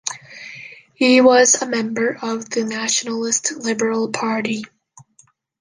He was a member of the Nationalist Liberal Party.